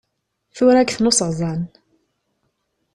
Turagt n useɣẓan.